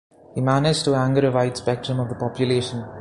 He managed to anger a wide spectrum of the population.